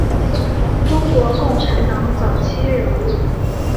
中国共产党早期人物。